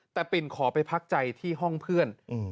แต่ปิ่นขอไปพักใจที่ห้องเพื่อน